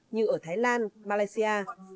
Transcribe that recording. như ở thái lan malaysia